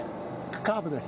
カーブです。